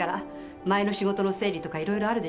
前の仕事の整理とかいろいろあるでしょ？